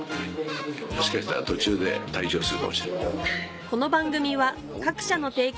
もしかしたら途中で退場するかもしれない。